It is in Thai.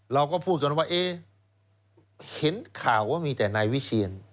เราก็พูดกันว่าเอ๊ะเห็นข่าวว่ามีแต่นายวิเชียน